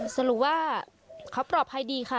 สรุปว่าเขาปลอดภัยดีค่ะ